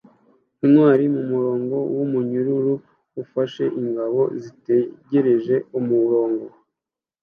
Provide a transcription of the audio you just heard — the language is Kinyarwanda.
Intwali mumurongo wumunyururu ufashe ingabo zitegereje umurongo